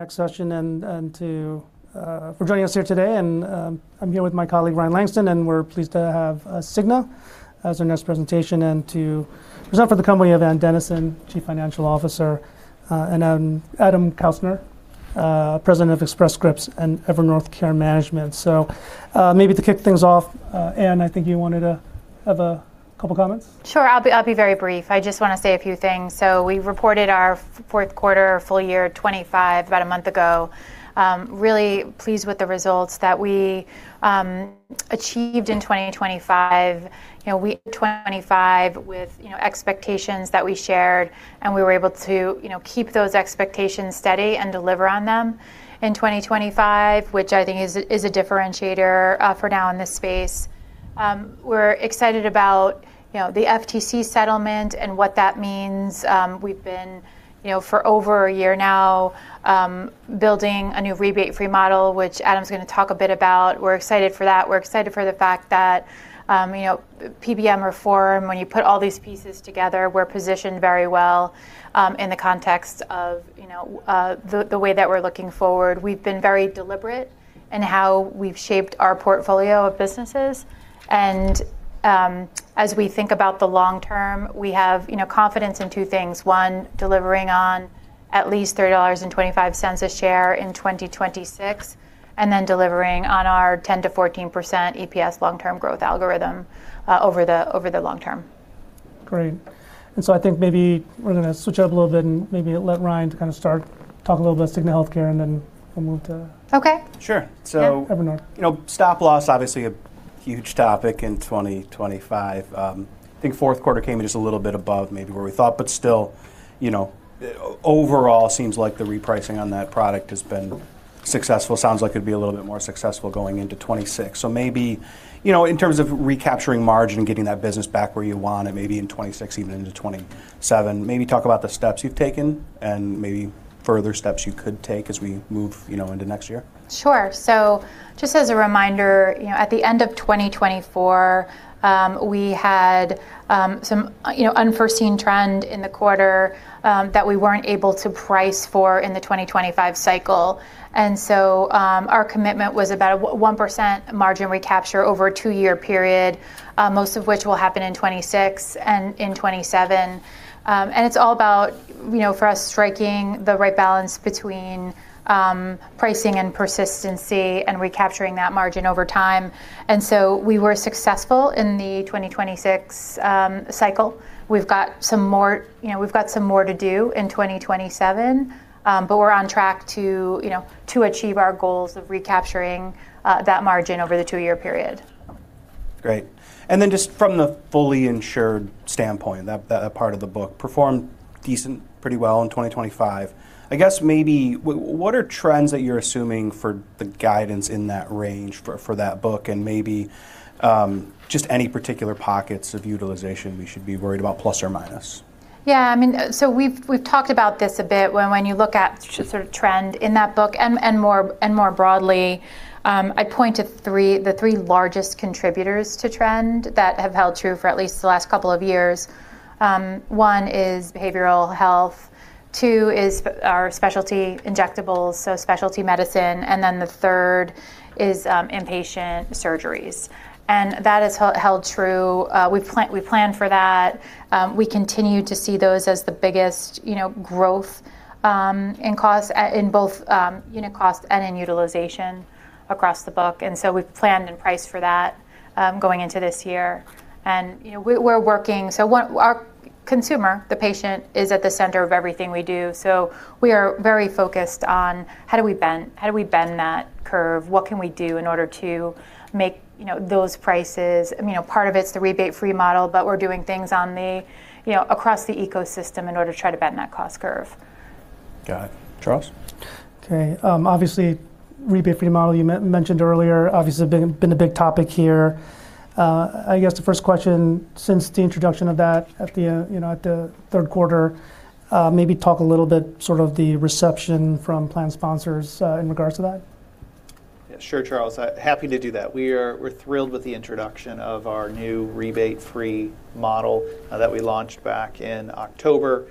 Next session and to for joining us here today. I'm here with my colleague, Ryan Langston, and we're pleased to have Cigna as our next presentation and to present for the company of Ann Dennison, Chief Financial Officer, and Adam Kautzner, President of Express Scripts and Evernorth Care Management. maybe to kick things off, Ann, I think you wanted to have a couple comments. Sure. I'll be very brief. I just want to say a few things. We've reported our fourth quarter full year 2025 about a month ago. Really pleased with the results that we achieved in 2025. You know, 2025 with, you know, expectations that we shared, and we were able to, you know, keep those expectations steady and deliver on them in 2025, which I think is a differentiator for now in this space. We're excited about, you know, the FTC settlement and what that means. We've been, you know, for over a year now, building a new rebate-free model, which Adam's going to talk a bit about. We're excited for that. We're excited for the fact that, you know, PBM reform, when you put all these pieces together, we're positioned very well, in the context of, you know, the way that we're looking forward. We've been very deliberate in how we've shaped our portfolio of businesses. As we think about the long term, we have, you know, confidence in two things. One, delivering on at least $3.25 a share in 2026, and then delivering on our 10%-14% EPS long-term growth algorithm, over the long term. Great. I think maybe we're gonna switch it up a little bit and maybe let Ryan to kinda start, talk a little about Cigna Healthcare. Okay. Sure. Evernorth You know, stop loss, obviously a huge topic in 2025. I think fourth quarter came in just a little bit above maybe where we thought, but still, you know, overall, seems like the repricing on that product has been successful. Sounds like it'd be a little bit more successful going into 2026. Maybe, you know, in terms of recapturing margin and getting that business back where you want it, maybe in 2026, even into 2027, maybe talk about the steps you've taken and maybe further steps you could take as we move, you know, into next year. Sure. Just as a reminder, you know, at the end of 2024, we had some, you know, unforeseen trend in the quarter that we weren't able to price for in the 2025 cycle. Our commitment was about 1% margin recapture over a two-year period, most of which will happen in 2026 and in 2027. It's all about, you know, for us striking the right balance between pricing and persistency and recapturing that margin over time. We were successful in the 2026 cycle. We've got some more, you know, we've got some more to do in 2027, but we're on track to, you know, to achieve our goals of recapturing that margin over the two-year period. Great. Just from the fully insured standpoint, that part of the book, performed decent, pretty well in 2025. I guess maybe what are trends that you're assuming for the guidance in that range for that book and maybe just any particular pockets of utilization we should be worried about, plus or minus? I mean, we've talked about this a bit when you look at sort of trend in that book and more broadly, I'd point to three. The three largest contributors to trend that have held true for at least the last couple of years. One is behavioral health. Two is our specialty injectables, so specialty medicine. The third is inpatient surgeries. That has held true. We've planned for that. We continue to see those as the biggest, you know, growth, in cost in both, unit cost and in utilization across the book. We've planned and priced for that, going into this year. You know, we're working. Our consumer, the patient, is at the center of everything we do, so we are very focused on how do we bend that curve? What can we do in order to make, you know, those prices. I mean, a part of it's the rebate-free model, but we're doing things on the, you know, across the ecosystem in order to try to bend that cost curve. Got it. Charles? Okay. Obviously, rebate-free model you mentioned earlier, obviously been a big topic here. I guess the first question since the introduction of that at the, you know, at the third quarter, maybe talk a little bit sort of the reception from plan sponsors, in regards to that. Yeah, sure, Charles. Happy to do that. We're thrilled with the introduction of our new rebate-free model that we launched back in October.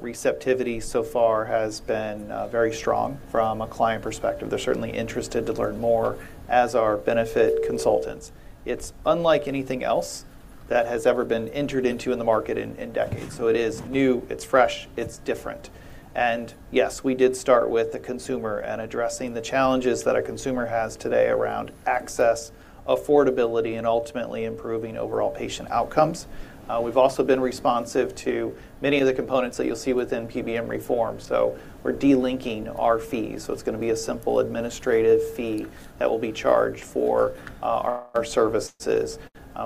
Receptivity so far has been very strong from a client perspective. They're certainly interested to learn more as our benefit consultants. It's unlike anything else that has ever been entered into in the market in decades. It is new, it's fresh, it's different. Yes, we did start with the consumer and addressing the challenges that a consumer has today around access, affordability, and ultimately improving overall patient outcomes. We've also been responsive to many of the components that you'll see within PBM reform. We're delinking our fees. It's gonna be a simple administrative fee that will be charged for our services.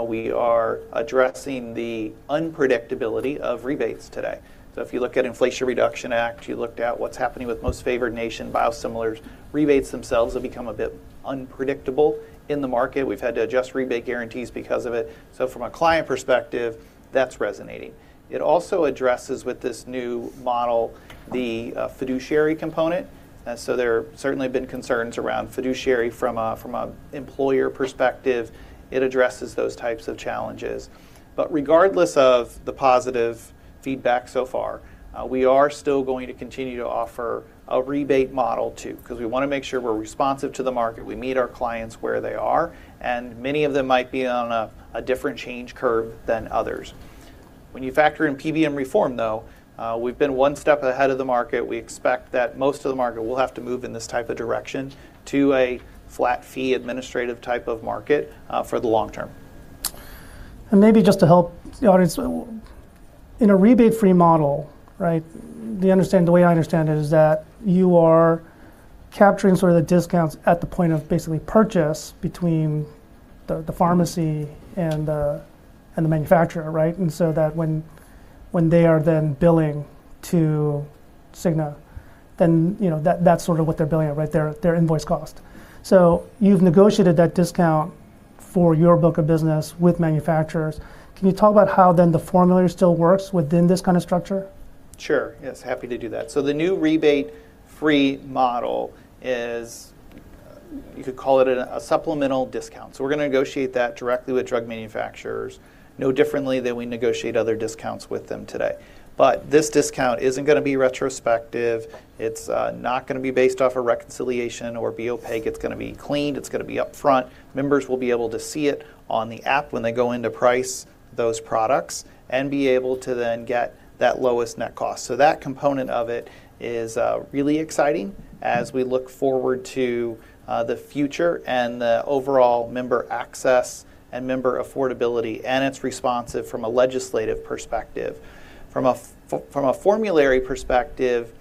We are addressing the unpredictability of rebates today. If you look at Inflation Reduction Act, you looked at what's happening with Most-Favored-Nation biosimilars, rebates themselves have become a bit unpredictable in the market. We've had to adjust rebate guarantees because of it. From a client perspective, that's resonating. It also addresses, with this new model, the fiduciary component. There certainly have been concerns around fiduciary from an employer perspective. It addresses those types of challenges. Regardless of the positive feedback so far, we are still going to continue to offer a rebate model too, because we wanna make sure we're responsive to the market, we meet our clients where they are, and many of them might be on a different change curve than others. When you factor in PBM reform, though, we've been one step ahead of the market. We expect that most of the market will have to move in this type of direction to a flat-fee administrative type of market, for the long term. Maybe just to help the audience. In a rebate-free model, right, the way I understand it is that you are capturing sort of the discounts at the point of basically purchase between the pharmacy and the manufacturer, right? That when they are then billing to Cigna, then, you know, that's sort of what they're billing at, right? Their invoice cost. You've negotiated that discount for your book of business with manufacturers. Can you talk about how then the formulary still works within this kind of structure? Sure. Yes, happy to do that. The new rebate-free model is, you could call it a supplemental discount. We're gonna negotiate that directly with drug manufacturers, no differently than we negotiate other discounts with them today. This discount isn't gonna be retrospective. It's not gonna be based off a reconciliation or be opaque. It's gonna be clean, it's gonna be upfront. Members will be able to see it on the app when they go in to price those products and be able to then get that lowest net cost. That component of it is really exciting as we look forward to the future and the overall member access and member affordability, and it's responsive from a legislative perspective. From a formulary perspective,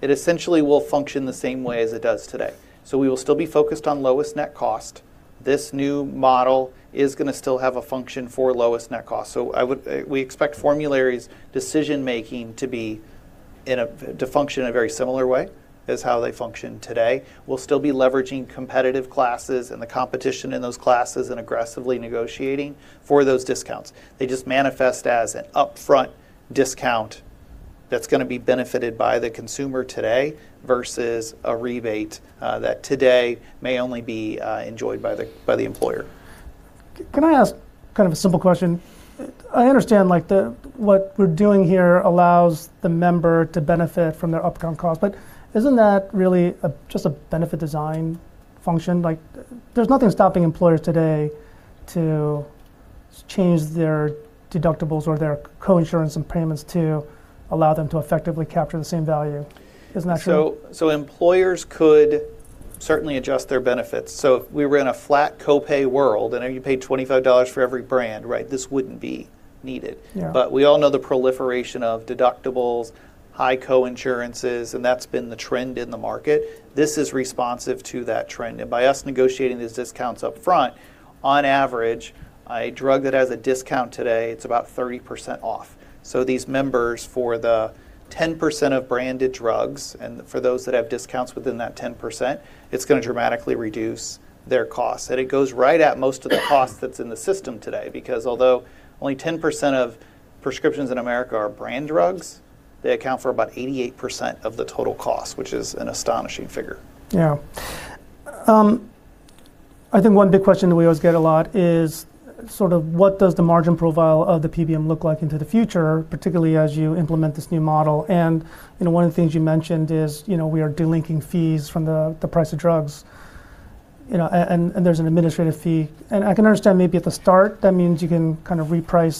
it essentially will function the same way as it does today. We will still be focused on lowest net cost. This new model is gonna still have a function for lowest net cost. I would, we expect formularies' decision-making to function in a very similar way as how they function today. We'll still be leveraging competitive classes and the competition in those classes and aggressively negotiating for those discounts. They just manifest as an upfront discount that's gonna be benefited by the consumer today versus a rebate that today may only be enjoyed by the employer. Can I ask kind of a simple question? I understand, like, what we're doing here allows the member to benefit from their upfront costs, isn't that really a, just a benefit design function? Like, there's nothing stopping employers today to change their deductibles or their coinsurance and payments to allow them to effectively capture the same value. Isn't that true? Employers could certainly adjust their benefits. If we were in a flat copay world, and if you paid $25 for every brand, right, this wouldn't be needed. Yeah. We all know the proliferation of deductibles, high co-insurances, and that's been the trend in the market. This is responsive to that trend. By us negotiating these discounts upfront, on average, a drug that has a discount today, it's about 30% off. These members, for the 10% of branded drugs and for those that have discounts within that 10%, it's gonna dramatically reduce their costs. It goes right at most of the cost that's in the system today, because although only 10% of prescriptions in America are brand drugs, they account for about 88% of the total cost, which is an astonishing figure. Yeah. I think one big question that we always get a lot is sort of what does the margin profile of the PBM look like into the future, particularly as you implement this new model? You know, one of the things you mentioned is, you know, we are de-linking fees from the price of drugs, and there's an administrative fee. I can understand maybe at the start, that means you can kind of reprice,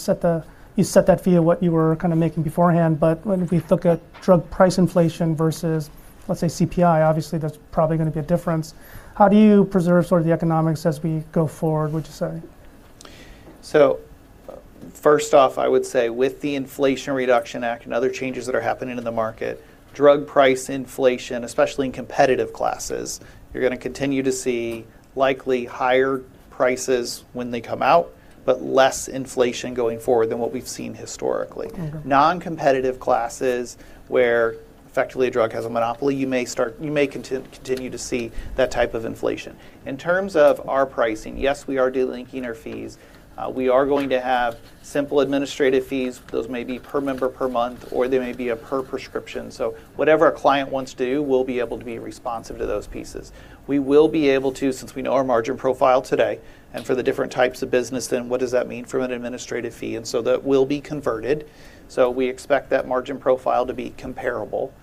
you set that fee at what you were kinda making beforehand. When we look at drug price inflation versus, let's say, CPI, obviously there's probably gonna be a difference. How do you preserve sort of the economics as we go forward, would you say? First off, I would say with the Inflation Reduction Act and other changes that are happening in the market, drug price inflation, especially in competitive classes, you're gonna continue to see likely higher prices when they come out, but less inflation going forward than what we've seen historically. Non-competitive classes where effectively a drug has a monopoly, you may continue to see that type of inflation. In terms of our pricing, yes, we are de-linking our fees. We are going to have simple administrative fees. Those may be per member per month, or they may be a per prescription. Whatever a client wants to do, we'll be able to be responsive to those pieces. We will be able to, since we know our margin profile today, and for the different types of business, then what does that mean from an administrative fee? That will be converted. We expect that margin profile to be comparable.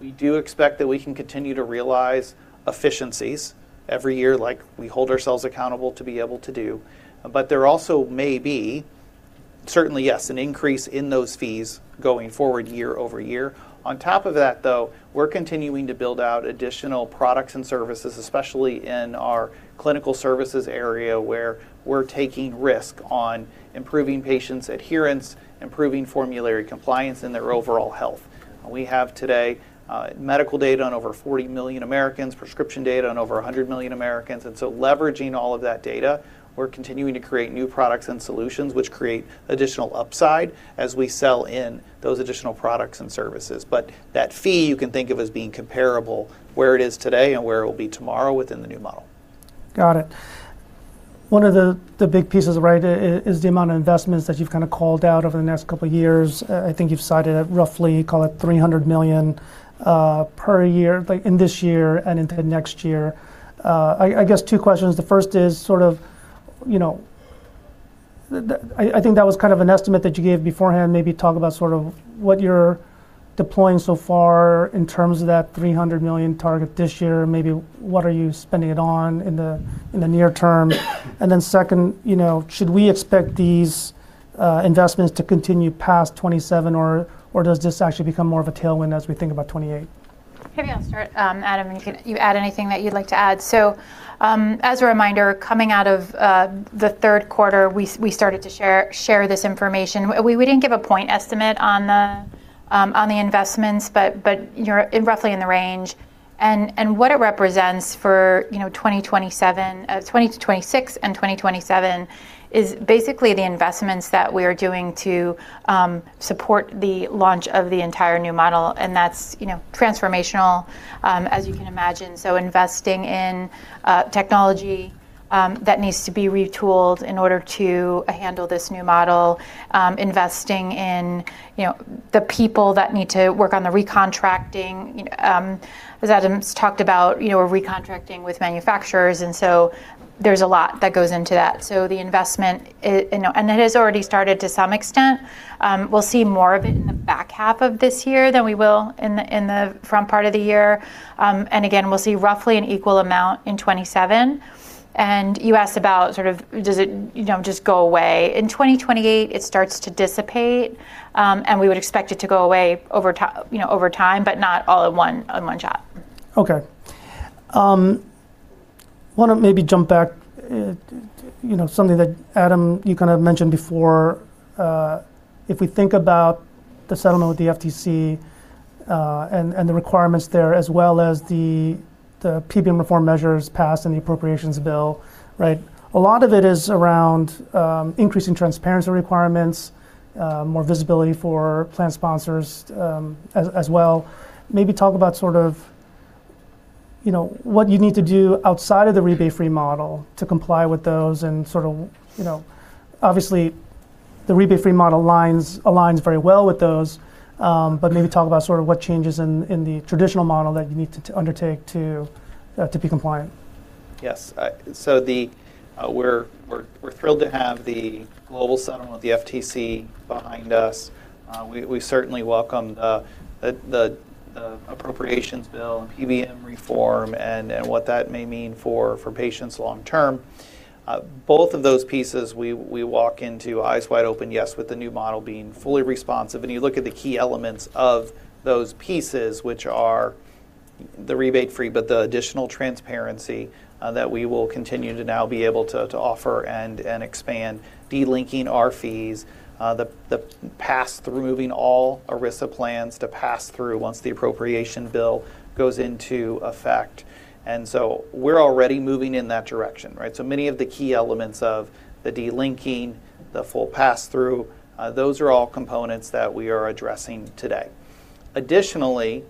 We do expect that we can continue to realize efficiencies every year, like we hold ourselves accountable to be able to do. There also may be, certainly yes, an increase in those fees going forward year-over-year. On top of that, though, we're continuing to build out additional products and services, especially in our clinical services area, where we're taking risk on improving patients' adherence, improving formulary compliance, and their overall health. We have today, medical data on over 40 million Americans, prescription data on over 100 million Americans. Leveraging all of that data, we're continuing to create new products and solutions which create additional upside as we sell in those additional products and services. That fee you can think of as being comparable where it is today and where it will be tomorrow within the new model. Got it. One of the big pieces, right, is the amount of investments that you've kinda called out over the next couple years. I think you've cited it roughly, call it $300 million per year, like in this year and into next year. I guess two questions. The first is sort of, you know, the, I think that was kind of an estimate that you gave beforehand. Maybe talk about sort of what you're deploying so far in terms of that $300 million target this year, maybe what are you spending it on in the, in the near term? Second, you know, should we expect these investments to continue past 2027 or does this actually become more of a tailwind as we think about 2028? Maybe I'll start, Adam, you can add anything that you'd like to add. As a reminder, coming out of the third quarter, we started to share this information. We didn't give a point estimate on the investments, but roughly in the range. What it represents for, you know, 2027, 2026 and 2027 is basically the investments that we are doing to support the launch of the entire new model, and that's, you know, transformational, as you can imagine. Investing in technology that needs to be retooled in order to handle this new model, investing in, you know, the people that need to work on the recontracting. You know, as Adam's talked about, you know, we're recontracting with manufacturers. There's a lot that goes into that. The investment, you know, and it has already started to some extent. We'll see more of it in the back half of this year than we will in the front part of the year. Again, we'll see roughly an equal amount in 2027. You asked about sort of does it, you know, just go away. In 2028, it starts to dissipate, and we would expect it to go away over you know, over time, but not all at one shot. Wanna maybe jump back, you know, to something that, Adam, you kinda mentioned before. If we think about the settlement with the FTC and the requirements there, as well as the PBM reform measures passed and the appropriations bill, right? A lot of it is around increasing transparency requirements, more visibility for plan sponsors as well. Maybe talk about sort of, you know, what you need to do outside of the rebate-free model to comply with those and sort of. You know, obviously, the rebate-free model aligns very well with those, but maybe talk about sort of what changes in the traditional model that you need to undertake to be compliant. Yes. So the, we're thrilled to have the global settlement with the FTC behind us. We certainly welcome the appropriations bill and PBM reform and what that may mean for patients long term. Both of those pieces, we walk into eyes wide open, yes, with the new model being fully responsive. You look at the key elements of those pieces, which are the rebate-free, but the additional transparency that we will continue to now be able to offer and expand, delinking our fees, the pass through, moving all ERISA plans to pass through once the appropriation bill goes into effect. We're already moving in that direction, right? Many of the key elements of the delinking, the full pass-through, those are all components that we are addressing today. Additionally,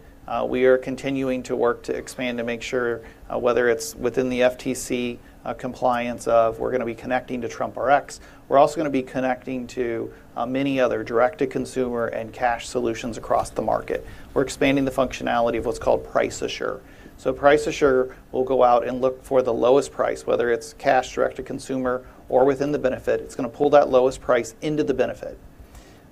we are continuing to work to expand to make sure, whether it's within the FTC compliance of we're gonna be connecting to GoodRx. We're also gonna be connecting to many other direct-to-consumer and cash solutions across the market. We're expanding the functionality of what's called Price Assure. Price Assure will go out and look for the lowest price, whether it's cash, direct to consumer, or within the benefit. It's gonna pull that lowest price into the benefit.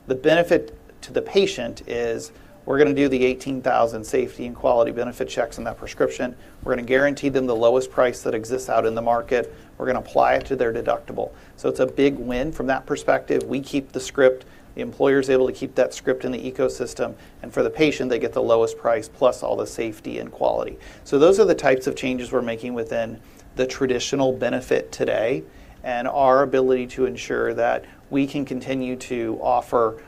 The benefit to the patient is we're gonna do the 18,000 safety and quality benefit checks on that prescription. We're gonna guarantee them the lowest price that exists out in the market. We're gonna apply it to their deductible. It's a big win from that perspective. We keep the script. The employer's able to keep that script in the ecosystem, and for the patient, they get the lowest price, plus all the safety and quality. Those are the types of changes we're making within the traditional benefit today and our ability to ensure that we can continue to offer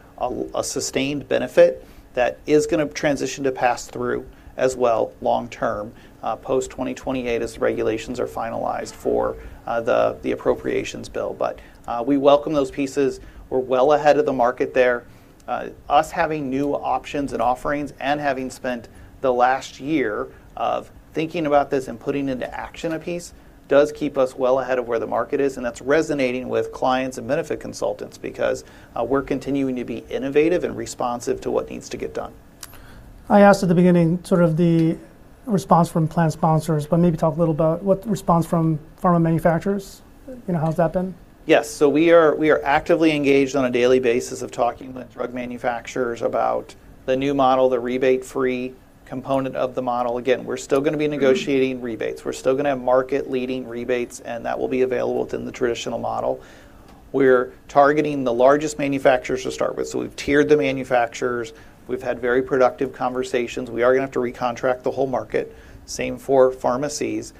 a sustained benefit that is gonna transition to pass-through as well long term, post 2028 as the regulations are finalized for the appropriations bill. We welcome those pieces. We're well ahead of the market there. Us having new options and offerings and having spent the last year of thinking about this and putting into action a piece does keep us well ahead of where the market is. That's resonating with clients and benefit consultants because we're continuing to be innovative and responsive to what needs to get done. I asked at the beginning sort of the response from plan sponsors, but maybe talk a little about what the response from pharma manufacturers, you know, how's that been? Yes. We are actively engaged on a daily basis of talking with drug manufacturers about the new model, the rebate-free component of the model. Again, we're still gonna be negotiating rebates. We're still gonna have market-leading rebates, and that will be available within the traditional model. We're targeting the largest manufacturers to start with. We've tiered the manufacturers. We've had very productive conversations. We are gonna have to recontract the whole market. Same for pharmacies.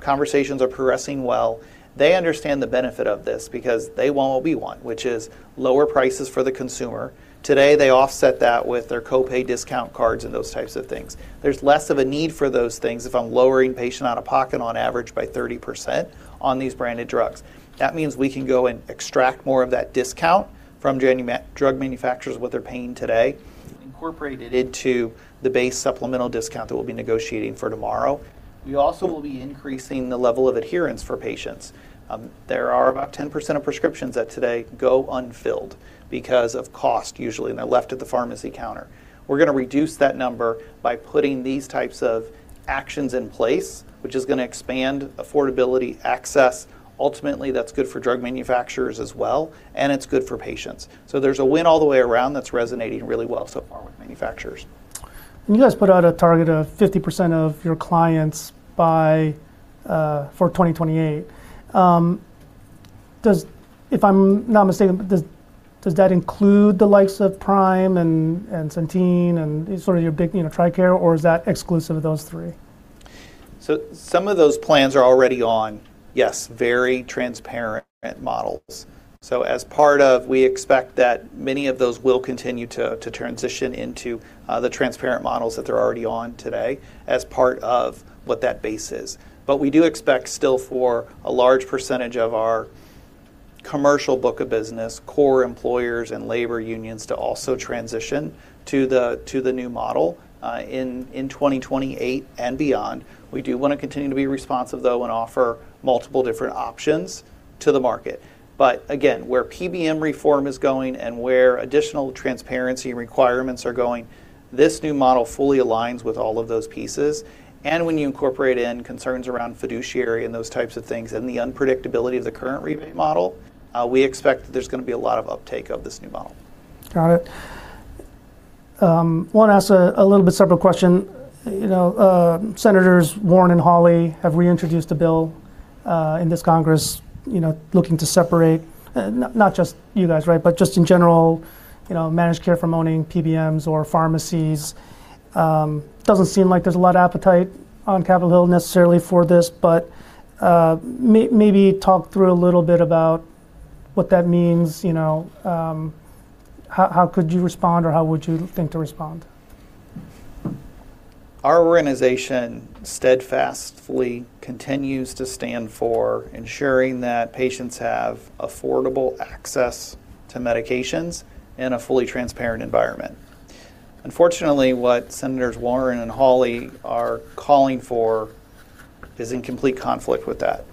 Conversations are progressing well. They understand the benefit of this because they want what we want, which is lower prices for the consumer. Today, they offset that with their copay discount cards and those types of things. There's less of a need for those things if I'm lowering patient out-of-pocket on average by 30% on these branded drugs. That means we can go and extract more of that discount from drug manufacturers, what they're paying today, incorporate it into the base supplemental discount that we'll be negotiating for tomorrow. We also will be increasing the level of adherence for patients. There are about 10% of prescriptions that today go unfilled because of cost usually, and they're left at the pharmacy counter. We're gonna reduce that number by putting these types of actions in place, which is gonna expand affordability, access. Ultimately, that's good for drug manufacturers as well, and it's good for patients. There's a win all the way around that's resonating really well so far with manufacturers. You guys put out a target of 50% of your clients by for 2028. If I'm not mistaken, does that include the likes of Prime and Centene, and sort of your big, you know, TRICARE, or is that exclusive of those three? Some of those plans are already on, yes, very transparent models. We expect that many of those will continue to transition into the transparent models that they're already on today as part of what that base is. We do expect still for a large percentage of our commercial book of business, core employers and labor unions to also transition to the new model in 2028 and beyond. We do wanna continue to be responsive though and offer multiple different options to the market. Again, where PBM reform is going and where additional transparency requirements are going, this new model fully aligns with all of those pieces. When you incorporate in concerns around fiduciary and those types of things and the unpredictability of the current rebate model, we expect there's gonna be a lot of uptake of this new model. Got it. Wanna ask a little bit separate question. You know, Senators Warren and Hawley have reintroduced a bill in this Congress, you know, looking to separate, not just you guys, right? But just in general, you know, managed care from owning PBMs or pharmacies. Doesn't seem like there's a lot of appetite on Capitol Hill necessarily for this, but maybe talk through a little bit about what that means, you know, how could you respond, or how would you think to respond? Our organization steadfastly continues to stand for ensuring that patients have affordable access to medications in a fully transparent environment. Unfortunately, what Senators Warren and Hawley are calling for is in complete conflict with that.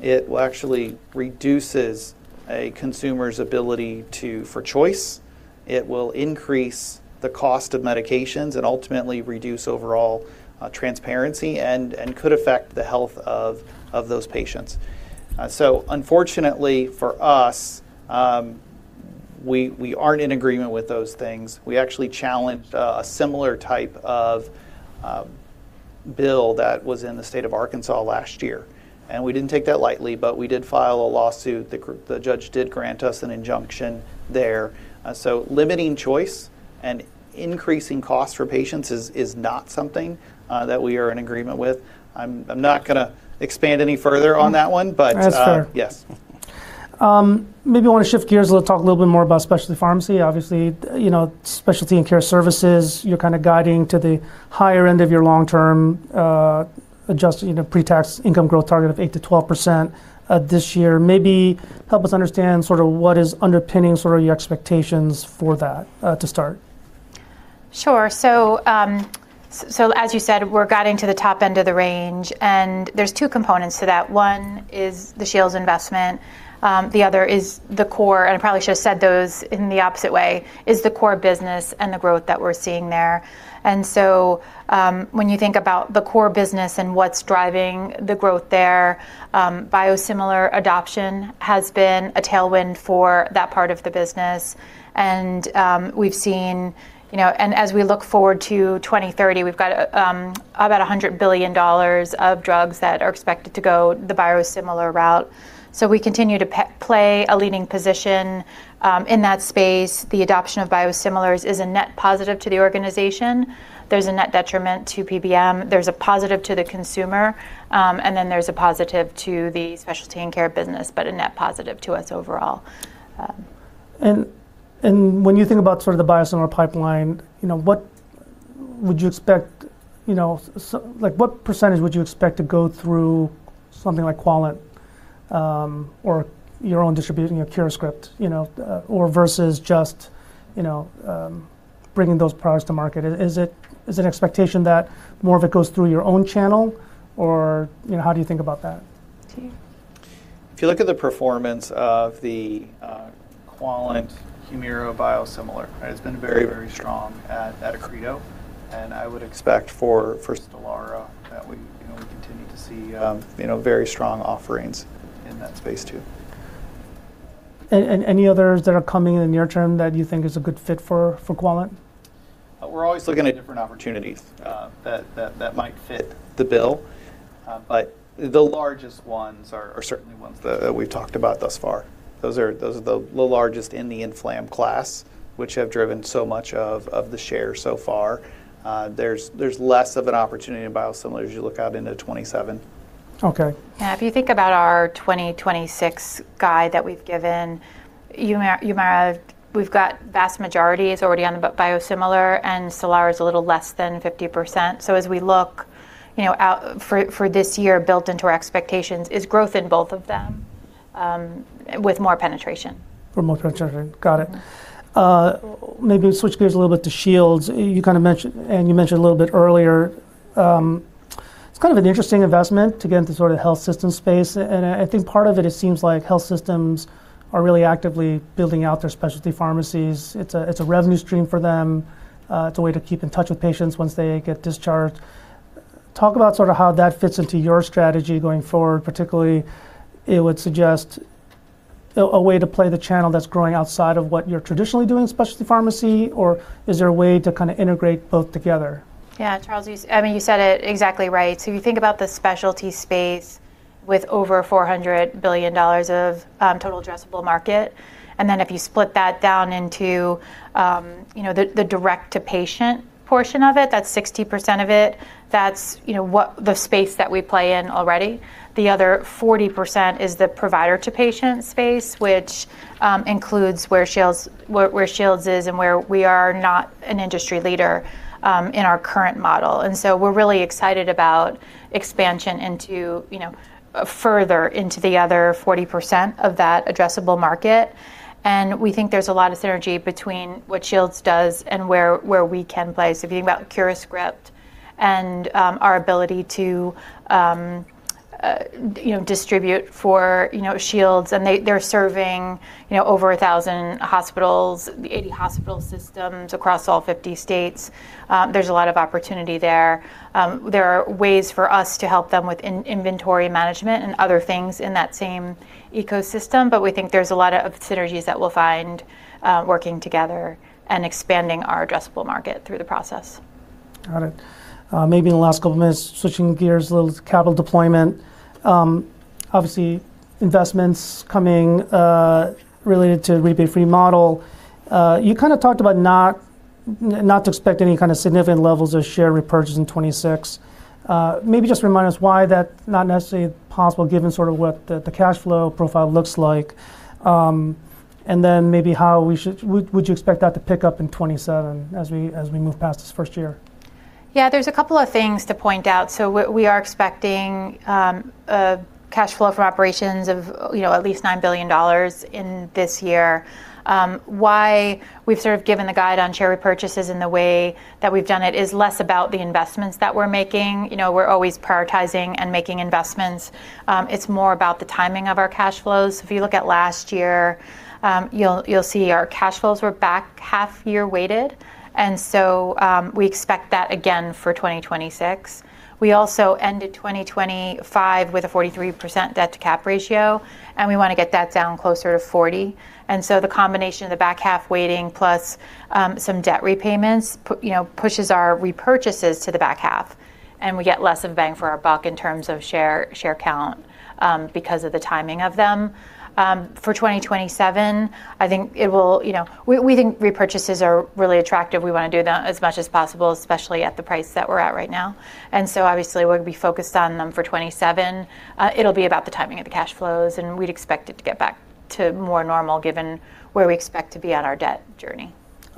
It actually reduces a consumer's ability for choice. It will increase the cost of medications and ultimately reduce overall transparency and could affect the health of those patients. Unfortunately for us, we aren't in agreement with those things. We actually challenged a similar type of bill that was in the state of Arkansas last year, and we didn't take that lightly. We did file a lawsuit. The judge did grant us an injunction there. Limiting choice and increasing costs for patients is not something that we are in agreement with. I'm not gonna expand any further on that one, but, That's fair. Yes. Maybe I wanna shift gears a little, talk a little bit more about specialty pharmacy. Obviously, you know, specialty and care services, you're kinda guiding to the higher end of your long-term, adjusted, you know, pretax income growth target of 8%-12%, this year. Maybe help us understand sorta what is underpinning sort of your expectations for that, to start. Sure. As you said, we're guiding to the top end of the range, and there's two components to that. One is the Shields investment. The other is the core, and I probably should have said those in the opposite way, is the core business and the growth that we're seeing there. When you think about the core business and what's driving the growth there, biosimilar adoption has been a tailwind for that part of the business. We've seen, you know. As we look forward to 2030, we've got about $100 billion of drugs that are expected to go the biosimilar route. We continue to play a leading position in that space. The adoption of biosimilars is a net positive to the organization. There's a net detriment to PBM, there's a positive to the consumer, and then there's a positive to the specialty and care business, but a net positive to us overall. When you think about sort of the biosimilar pipeline, you know, what would you expect, you know, Like what percentage would you expect to go through something like Accredo, or your own distribution, your CuraScript, you know, or versus just, you know, bringing those products to market? Is it an expectation that more of it goes through your own channel or, you know, how do you think about that? To you. If you look at the performance of the GoodRx Humira biosimilar, it's been very strong at Accredo. I would expect for first Zepbound that we, you know, we continue to see, you know, very strong offerings in that space too. Any others that are coming in the near term that you think is a good fit for GoodRx? We're always looking at different opportunities, that might fit the bill. The largest ones are certainly ones that we've talked about thus far. Those are the largest in the inflammatory class, which have driven so much of the share so far. There's less of an opportunity in biosimilars as you look out into 2027. Okay. Yeah. If you think about our 2026 guide that we've given, Humira, we've got vast majority is already on the biosimilar, and Stelara is a little less than 50%. As we look, you know, out for this year built into our expectations, is growth in both of them, with more penetration. With more penetration. Got it. maybe switch gears a little bit to Shields. Ann, you mentioned a little bit earlier, it's kind of an interesting investment to get into sort of the health system space. I think part of it seems like health systems are really actively building out their specialty pharmacies. It's a revenue stream for them. it's a way to keep in touch with patients once they get discharged. Talk about sort of how that fits into your strategy going forward. Particularly, it would suggest a way to play the channel that's growing outside of what you're traditionally doing, specialty pharmacy, or is there a way to kind of integrate both together? Charles, I mean, you said it exactly right. If you think about the specialty space with over $400 billion of total addressable market, and then if you split that down into, you know, the direct-to-patient portion of it, that's 60% of it, that's, you know, the space that we play in already. The other 40% is the provider-to-patient space, which includes where Shields is and where we are not an industry leader, in our current model. We're really excited about expansion into, you know, further into the other 40% of that addressable market. We think there's a lot of synergy between what Shields does and where we can play. If you think about CuraScript and our ability to, you know, distribute for, you know, Shields, and they're serving, you know, over 1,000 hospitals, 80 hospital systems across all 50 states, there's a lot of opportunity there. There are ways for us to help them with in-inventory management and other things in that same ecosystem, but we think there's a lot of synergies that we'll find working together and expanding our addressable market through the process. Got it. Maybe in the last couple minutes, switching gears a little, capital deployment. Obviously investments coming related to rebate-free model. You kinda talked about not to expect any kind of significant levels of share repurchase in 2026. Maybe just remind us why that's not necessarily possible given sort of what the cash flow profile looks like, and then maybe how we should. Would you expect that to pick up in 2027 as we move past this first year? Yeah. There's a couple of things to point out. What we are expecting a cash flow from operations of, you know, at least $9 billion in this year. Why we've sort of given the guide on share repurchases in the way that we've done it is less about the investments that we're making. You know, we're always prioritizing and making investments. It's more about the timing of our cash flows. If you look at last year, you'll see our cash flows were back half year weighted. We expect that again for 2026. We also ended 2025 with a 43% debt-to-capital ratio, and we wanna get that down closer to 40%. The combination of the back half waiting plus, you know, pushes our repurchases to the back half, and we get less of bang for our buck in terms of share count because of the timing of them. For 2027, I think it will. You know, we think repurchases are really attractive. We wanna do them as much as possible, especially at the price that we're at right now. Obviously, we'll be focused on them for 2027. It'll be about the timing of the cash flows, and we'd expect it to get back to more normal given where we expect to be on our debt journey.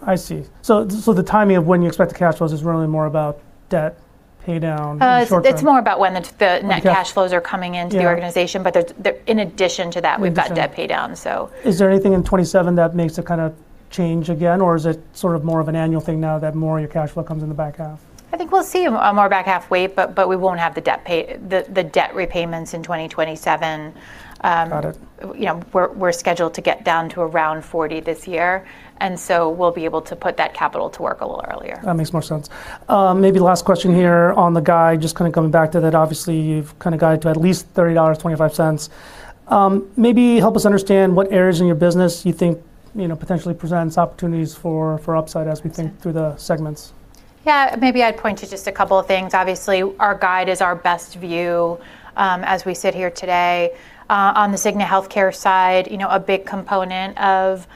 I see. The timing of when you expect the cash flows is really more about debt pay down short term. It's more about when the. Okay Net cash flows are coming. Yeah The organization, but there's. In addition to that. In addition. We've got debt pay down, so. Is there anything in 2027 that makes a kinda change again, or is it sort of more of an annual thing now that more of your cash flow comes in the back half? I think we'll see a more back half weight, but we won't have the debt repayments in 2027. Got it. You know, we're scheduled to get down to around 40 this year. We'll be able to put that capital to work a little earlier. That makes more sense. Maybe last question here on the guide, just kinda coming back to that. Obviously, you've kinda guided to at least $30.25. Maybe help us understand what areas in your business you think, you know, potentially presents opportunities for upside as we think. Sure. Through the segments. Yeah. Maybe I'd point to just a couple of things. Obviously, our guide is our best view, as we sit here today. On the Cigna Healthcare side, you know, a big component of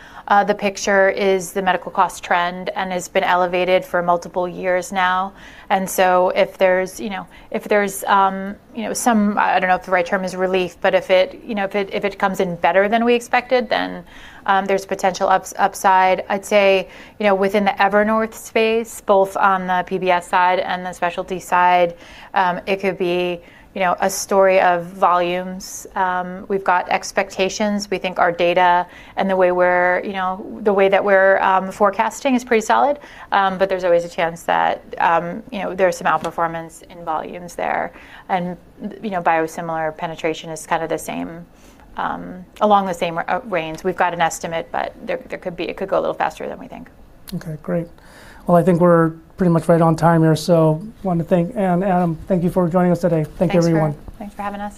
the picture is the medical cost trend and has been elevated for multiple years now. If there's, you know, if there's, you know, some. I don't know if the right term is relief, but if it, you know, if it, if it comes in better than we expected, then, there's potential upside. I'd say, you know, within the Evernorth space, both on the PBS side and the specialty side, it could be, you know, a story of volumes. We've got expectations. We think our data and the way we're, you know, the way that we're, forecasting is pretty solid. There's always a chance that, you know, there's some outperformance in volumes there. You know, biosimilar penetration is kind of the same, along the same range. We've got an estimate, but it could go a little faster than we think. Okay. Great. Well, I think we're pretty much right on time here, so wanted to thank Ann, Adam, thank you for joining us today. Thanks, everyone. Thank you, everyone. Thanks for having us.